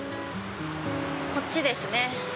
こっちですね。